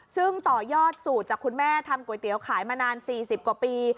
ซึ่งต่อยอดสูตรจากคุณแม่ทำก๋วยเตี๋ยวขายมานาน๔๐กว่าปี